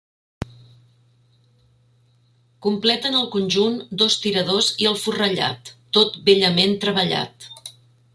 Completen el conjunt dos tiradors i el forrellat, tot bellament treballat.